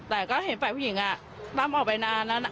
แต่ก็เห็นฝ่ายผู้หญิงตั้มออกไปนานแล้วนะ